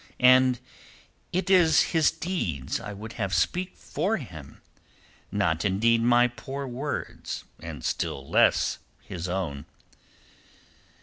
"And it is his deeds I would have speak for him, not indeed my poor words and still less his own."